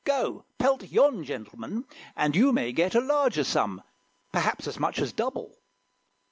Go, pelt yon gentleman, and you may get A larger sum perhaps as much as double."